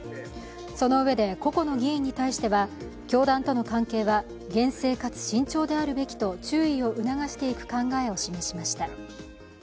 そのうえで、個々の議員に対しては、教団との関係は厳正かつ慎重であるべきと注意を促していく考えを示しました。